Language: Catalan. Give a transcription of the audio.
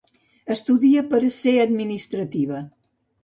Estudia per a ser administrativa.